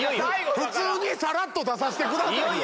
普通にさらっと出させてくださいよ。